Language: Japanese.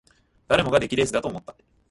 誰もが出来レースだと思った